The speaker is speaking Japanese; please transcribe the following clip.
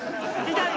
痛い！